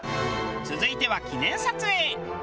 続いては記念撮影。